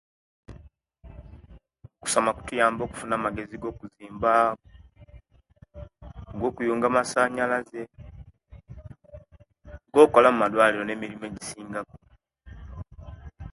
Okusoma kutuyamba okufuna amagezi gokuzimba, gokuyunga amasanyalaze gokola omaduwaliro ne mirimu ejisingaku